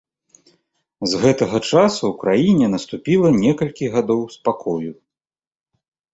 З гэтага часу ў краіне наступіла некалькі гадоў спакою.